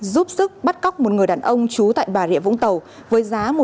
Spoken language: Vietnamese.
giúp sức bắt cóc một người đàn ông trú tại bà rịa vũng tàu